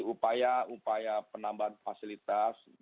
upaya upaya penambahan fasilitas